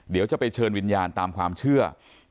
เดี๋ยวจะไปเชิญวิญญาณตามความเชื่อ